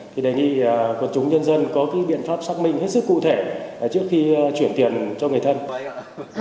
thì đề nghị quần chúng nhân dân có cái biện pháp xác minh hết sức cụ thể trước khi chuyển tiền cho người thân